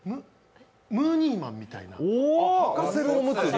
ムーニーマンみたいな。